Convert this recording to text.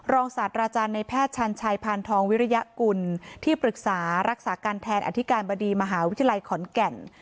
ศาสตราจารย์ในแพทย์ชันชัยพานทองวิริยกุลที่ปรึกษารักษาการแทนอธิการบดีมหาวิทยาลัยขอนแก่น